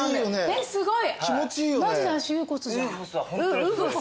えすごい！